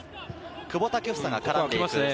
久保建英が絡んでいく。